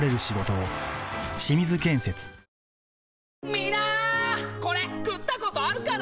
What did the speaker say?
みんなこれ食ったことあるかな？